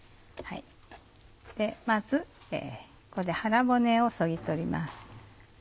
まずここで腹骨をそぎ取ります。